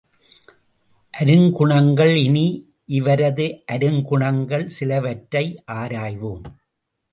அருங்குணங்கள் இனி இவரது அருங்குணங்கள் சிலவற்றை ஆராய்வோம்.